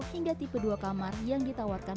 hingga tipe dua kamar yang ditawarkan